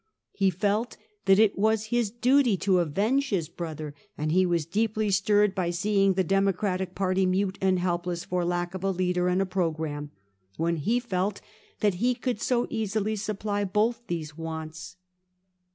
He felt that it was his duty to avenge his brother, and he was deeply stirred by seeing the Democratic party mute and helpless, for lack of a leader and a programme, when he felt that he could so easily supply both these wants.